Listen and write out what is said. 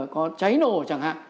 có cháy nổ chẳng hạn